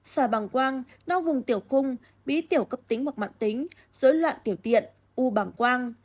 sà bằng quang đau vùng tiểu cung bí tiểu cấp tính một mạng tính dối loạn tiểu tiện u bằng quang